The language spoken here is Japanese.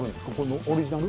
オリジナル？